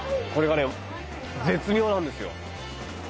これがね絶妙なんですよ。